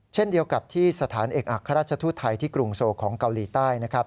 เช่นเดียวกับที่สถานเอกอัครราชทูตไทยที่กรุงโซของเกาหลีใต้นะครับ